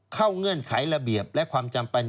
เงื่อนไขระเบียบและความจำเป็น